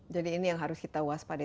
jadi ini yang harus kita waspada